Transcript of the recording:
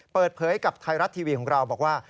เปิดเผยกับไทยรัฐทีวีของเราบอกว่า